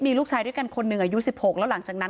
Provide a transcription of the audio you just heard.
มีลูกชายด้วยกันคนหนึ่งอายุ๑๖แล้วหลังจากนั้น